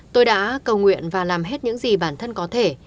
tôi đã cầu nguyện và làm hết những gì bản thân có thể